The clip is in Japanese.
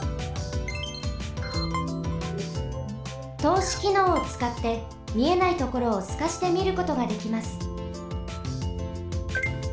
とうしきのうをつかってみえないところをすかしてみることができます。